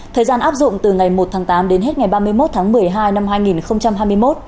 thời gian áp dụng từ ngày một tháng tám đến hết ngày ba mươi một tháng một mươi hai năm hai nghìn hai mươi một